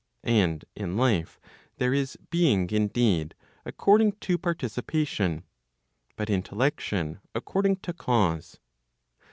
And in life, there is being indeed according to participation, but intellection according to cause.